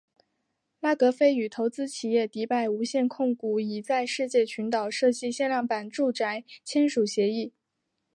拉格斐与投资企业迪拜无限控股以在世界群岛设计限量版住宅签署协议。